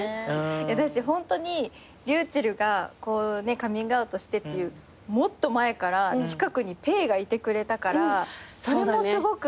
ホントにｒｙｕｃｈｅｌｌがカミングアウトしてっていうもっと前から近くにぺえがいてくれたからそれもすごくありがたいんですよね